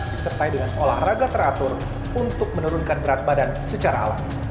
disertai dengan olahraga teratur untuk menurunkan berat badan secara alam